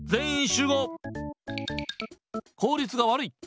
効率が悪い。